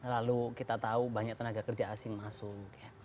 lalu kita tahu banyak tenaga kerja asing masuk